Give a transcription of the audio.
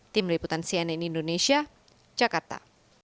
tim liputan cnn indonesia jakarta